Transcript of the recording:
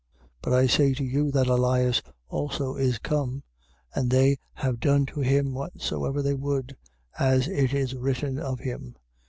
9:12. But I say to you that Elias also is come (and they have done to him whatsoever they would), as it is written of him.